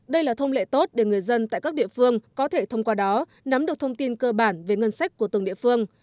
đây là thông lệ tốt để người dân tại các địa phương có thể thông qua đó nắm được thông tin cơ bản về ngân sách của từng địa phương